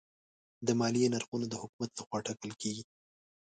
د مالیې نرخونه د حکومت لخوا ټاکل کېږي.